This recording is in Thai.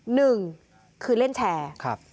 หนึ่งคือเล่นแชร์